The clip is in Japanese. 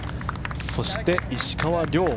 そして、石川遼。